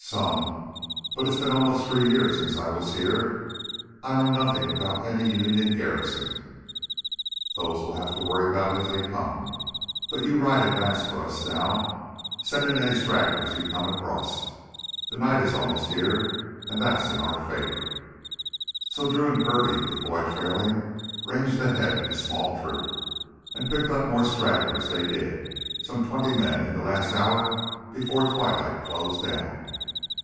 "Some, but it's been almost three years since I was here. I know nothin' about any Union garrison " "Those we'll have to worry about as they come. But you ride advance for us now. Send in any stragglers you come across. The night is almost here, and that's in our favor." So Drew and Kirby, with Boyd trailing, ranged ahead of the small troop. And pick up more stragglers they did some twenty men in the last hour before twilight closed down.